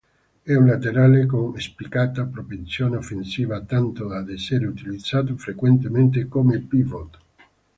È un laterale con spiccata propensione offensiva, tanto da essere utilizzato frequentemente come pivot.